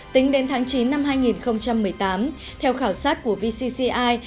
tính đến tháng chín năm hai nghìn một mươi tám theo khảo sát của vcci